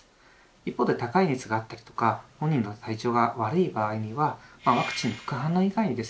一方で高い熱があったりとか本人の体調が悪い場合にはワクチン副反応以外にですね